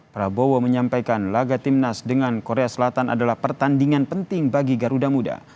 prabowo menyampaikan laga timnas dengan korea selatan adalah pertandingan penting bagi garuda muda